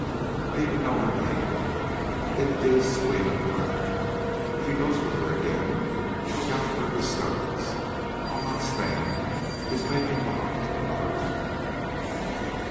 I even know her name; it is Selina Pratt. If he goes with her again, look out for a disturbance. I'll not stand his making love to another woman."